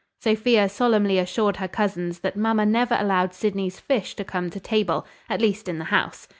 Sophia solemnly assured her cousins that mamma never allowed Sydney's fish to come to table, at least in the house.